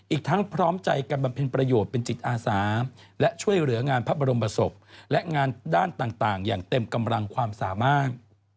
อีกทั้งพร้อมใจกันบำเพ็ญประโยชน์เป็นจิตอาสาและช่วยเหลืองานพระบรมศพและงานด้านต่างอย่างเต็มกำลังความสามารถ